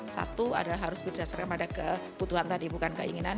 satu adalah harus berdasarkan pada kebutuhan tadi bukan keinginan